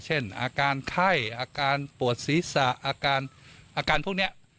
เช่นอาการไข้อาการปวดศีรษะอาการพวกนี้